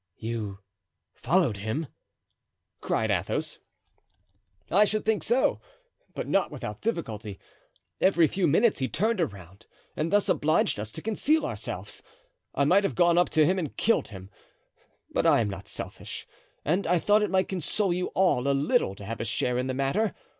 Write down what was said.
"You followed him?" cried Athos. "I should think so, but not without difficulty. Every few minutes he turned around, and thus obliged us to conceal ourselves. I might have gone up to him and killed him. But I am not selfish, and I thought it might console you all a little to have a share in the matter.